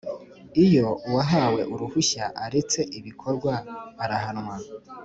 Iyo uwahawe uruhushya aretse ibikorwa arahanwa